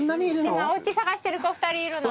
今おうち探してる子２人いるの。